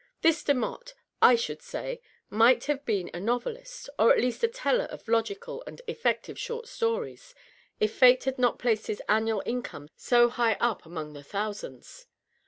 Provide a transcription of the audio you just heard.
This De motte, I should say, might have been a novelist, or at least a teller of logical and effective short stories, if fate had not placed his annual in come so high up among the thousands."